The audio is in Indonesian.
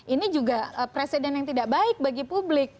ini juga presiden yang tidak baik bagi publik